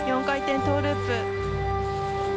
４回転トーループ。